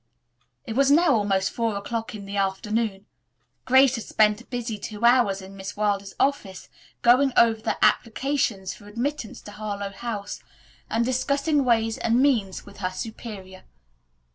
It was now almost four o'clock in the afternoon. Grace had spent a busy two hours in Miss Wilder's office going over the applications for admittance to Harlowe House and discussing ways and means with her superior.